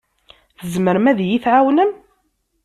Tzemrem ad iyi-tɛawnem?